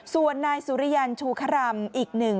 ส่วนนายสุริยันชูครำอีกหนึ่ง